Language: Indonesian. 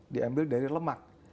diambil dari lemak